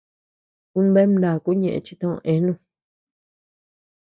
Ú bea ama ndakuu ñeʼë chi tö eanu.